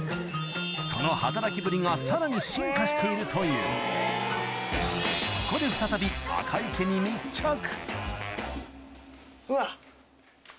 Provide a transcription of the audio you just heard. その働きぶりがさらに進化しているというそこで赤井家にうわ。